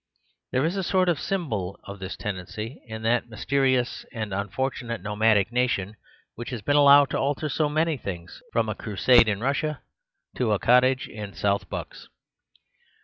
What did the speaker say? There is a sort of symbol of this tendency in that mysterious and unfortunate nomadic nation which has been allowed to alter so many things, from a crusade in Rus sia to a cottage in South Bucks.